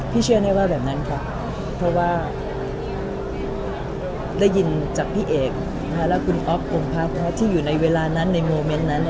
เชื่อแน่ว่าแบบนั้นค่ะเพราะว่าได้ยินจากพี่เอกและคุณอ๊อฟพงพัฒน์ที่อยู่ในเวลานั้นในโมเมนต์นั้น